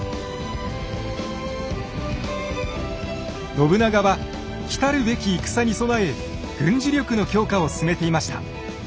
信長は来るべき戦に備え軍事力の強化を進めていました。